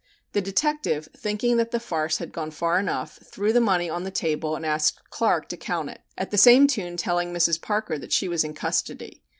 The detective, thinking that the farce had gone far enough, threw the money on the table and asked Clark to count it, at the same tune telling Mrs. Parker that she was in custody.